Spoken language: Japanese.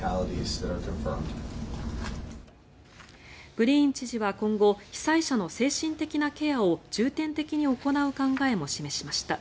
グリーン知事は今後被災者の精神的なケアを重点的に行う考えも示しました。